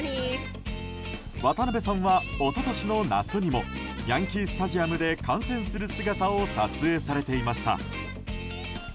渡辺さんは一昨年の夏にもヤンキー・スタジアムで観戦する姿を撮影されていました。